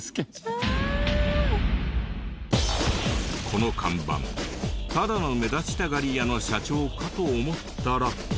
この看板ただの目立ちたがり屋の社長かと思ったら。